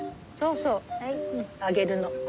そうそうあげるの。